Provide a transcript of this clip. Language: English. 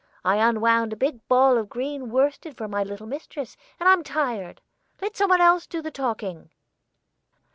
I unwound a big ball of green worsted for my little mistress, and I'm tired. Let somebody else do the talking."